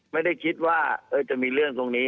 ไม่ได้คิดว่าจะมีเรื่องตรงนี้